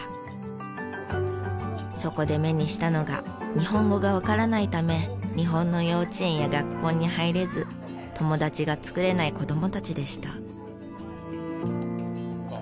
そこで目にしたのが日本語がわからないため日本の幼稚園や学校に入れず友達が作れない子供たちでした。